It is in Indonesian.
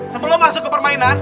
sebelum masuk ke permainan